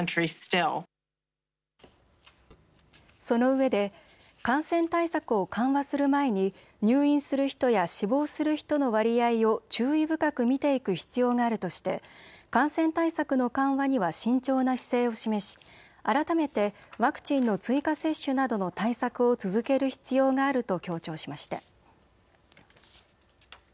そのうえで感染対策を緩和する前に入院する人や死亡する人の割合を注意深く見ていく必要があるとして感染対策の緩和には慎重な姿勢を示し改めてワクチンの追加接種などの対策を続ける必要があると強調しました。